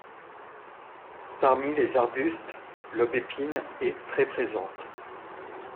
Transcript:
Parmi les arbustes, l'aubépine est très présente.